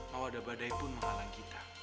bahwa ada badai pun menghalang kita